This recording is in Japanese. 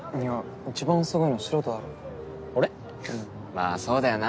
まあそうだよな。